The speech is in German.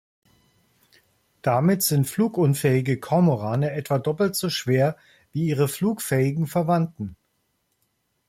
Damit sind flugunfähige Kormorane etwa doppelt so schwer wie ihre flugfähigen Verwandten.